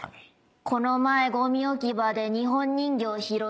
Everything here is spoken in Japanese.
この前ごみ置き場で日本人形拾った。